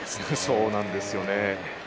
そうなんですよね。